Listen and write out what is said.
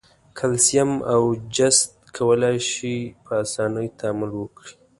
کلسیم او جست کولای شي په آساني تعامل وکړي.